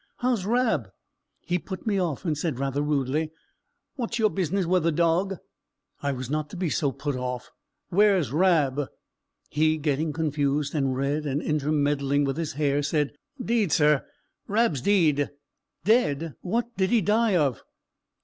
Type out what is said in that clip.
"How's Rab?" He put me off, and said rather rudely, "What's your business wi' the dowg?" I was not to be so put off. "Where's Rab?" He, getting confused and red, and intermeddling with his hair, said, "'Deed, sir, Rab's deid." "Dead! what did he die of?"